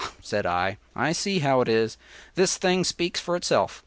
” said I, “I see how it is. This thing speaks for itself.